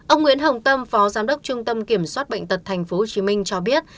ông nguyễn hồng tâm phó giám đốc trung tâm kiểm soát bệnh tật tp hcm cho biết